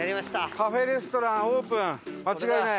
「カフェレストランオープン」間違いない。